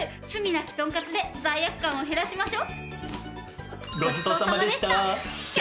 なきとんかつで罪悪感を減らしましょ！